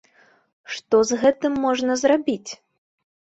Што з гэтым можна зрабіць?